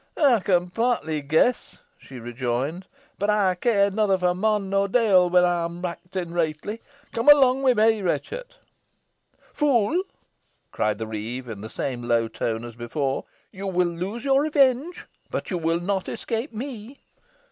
"Ey con partly guess," she rejoined; "boh ey care nother fo' mon nor dule when ey'm acting reetly. Come along wi' me, Ruchot." "Fool!" cried the reeve, in the same low tone as before; "you will lose your revenge, but you will not escape me."